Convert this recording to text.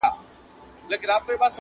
رمې به پنډي وي او ږغ به د شپېلیو راځي.!